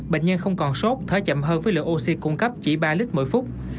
bệnh nhân không còn sốt thở chậm hơn với lượng oxy cung cấp chỉ ba lít mỗi phút